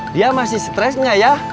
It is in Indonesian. dia masih stresnya ya